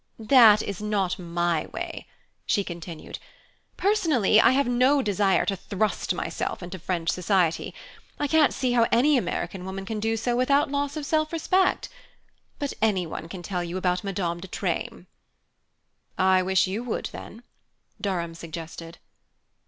"That is not my way," she continued. "Personally I have no desire to thrust myself into French society I can't see how any American woman can do so without loss of self respect. But any one can tell you about Madame de Treymes." "I wish you would, then," Durham suggested.